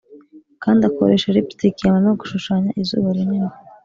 kandi akoresha lipstick ya mama gushushanya izuba rinini